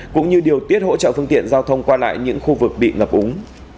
cũng như điều tiết hỗ trợ phương tiện giao thông qua lại những khu vực bị ngập úng